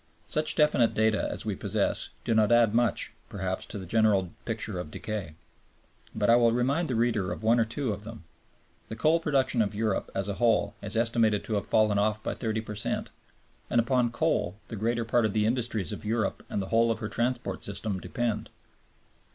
Such definite data as we possess do not add much, perhaps, to the general picture of decay. But I will remind the reader of one or two of them. The coal production of Europe as a whole is estimated to have fallen off by 30 per cent; and upon coal the greater part of the industries of Europe and the whole of her transport system depend.